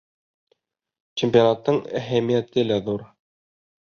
Чемпионаттың әһәмиәте лә ҙур.